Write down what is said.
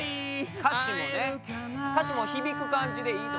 歌詞も響く感じでいいと。